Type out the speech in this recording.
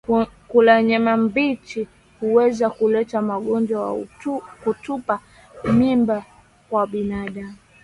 Kula nyama mbichi huweza kuleta ugonjwa wa kutupa mimba kwa binadamu